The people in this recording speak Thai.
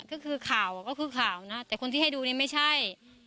ก็คือข่าวก็คือข่าวนะแต่คนที่ให้ดูนี่ไม่ใช่